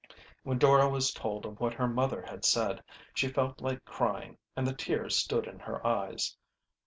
When Dora was told of what her mother had said, she felt like crying, and the tears stood in her eyes.